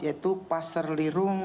yaitu pasar lirung